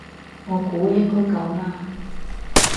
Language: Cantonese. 我估應該夠啦